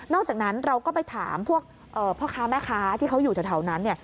อกจากนั้นเราก็ไปถามพวกพ่อค้าแม่ค้าที่เขาอยู่แถวนั้น